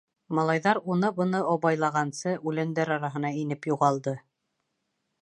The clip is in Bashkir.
Малайҙар уны-быны абайлағансы, үләндәр араһына инеп юғалды.